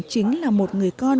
chính là một người con